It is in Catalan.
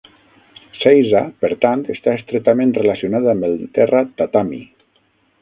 "Seiza", per tant, està estretament relacionat amb el terra "tatami".